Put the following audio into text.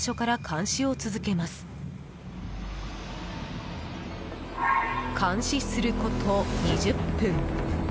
監視すること２０分。